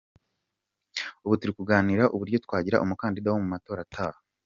Ubu turi kuganira uburyo twagira umukandida wa mu matora ataha.